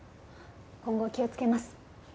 今後気をつけます。